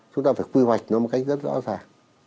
chúng ta phải quy hoạch nó một cách rất rõ ràng